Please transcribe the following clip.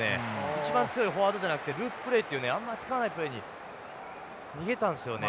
一番強いフォワードじゃなくてループプレーというねあんまり使わないプレーに逃げたんですよね。